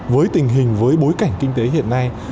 với tình hình với bối cảnh kinh tế hiện nay